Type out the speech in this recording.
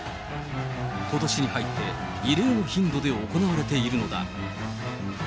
ことしに入って異例の頻度で行われているのだ。